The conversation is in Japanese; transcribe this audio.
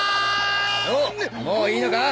オウもういいのか？